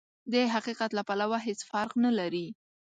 د حقيقت له پلوه هېڅ فرق نه لري.